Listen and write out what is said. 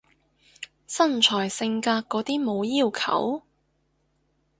身材性格嗰啲冇要求？